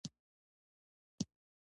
• ښه سړی د خپلې ژمنې وفادار وي.